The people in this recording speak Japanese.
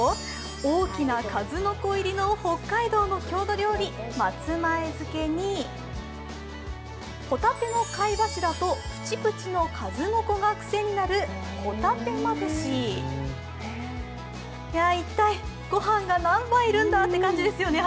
大きな数の子入りの北海道の郷里料理・松前漬けにほたての貝柱とプチプチの数の子が癖になる一体、御飯が何杯いるんだという感じですよね？